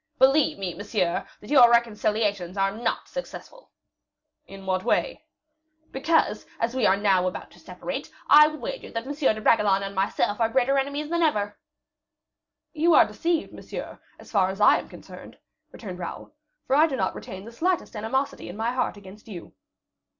"Believe me, monsieur, that your reconciliations are not successful." "In what way?" "Because, as we are now about to separate, I would wager that M. de Bragelonne and myself are greater enemies than ever." "You are deceived, monsieur, as far as I am concerned," returned Raoul; "for I do not retain the slightest animosity in my heart against you."